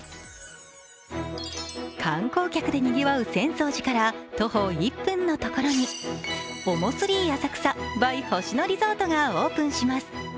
観光客でにぎわう浅草寺から徒歩１分のところにＯＭＯ３浅草ｂｙ星野リゾートがオープンします。